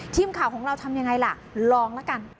ทีมข่าวของเราทำยังไงล่ะลองละกัน